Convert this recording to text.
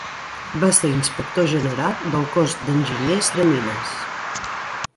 Va ser inspector general del Cos d'Enginyers de Mines.